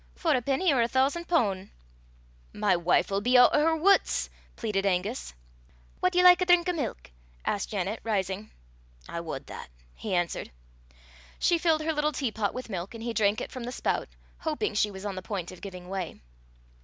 "For a penny, or a thoosan' poun'." "My wife 'll be oot o' her wuts," pleaded Angus. "Wad ye like a drink o' milk?" asked Janet, rising. "I wad that," he answered. She filled her little teapot with milk, and he drank it from the spout, hoping she was on the point of giving way.